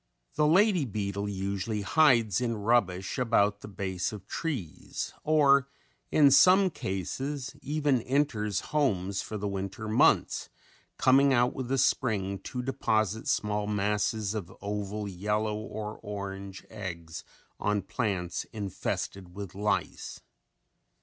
The lady beetle usually hides in rubbish about the base of trees or in some cases even enter homes for the winter months, coming out with the spring to deposit small masses of oval yellow or orange eggs on plants infested with lice.